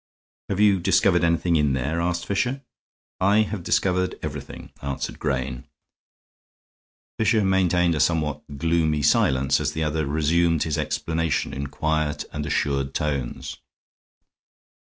"Have you discovered anything in there?" asked Fisher. "I have discovered everything," answered Grayne. Fisher maintained a somewhat gloomy silence, as the other resumed his explanation in quiet and assured tones.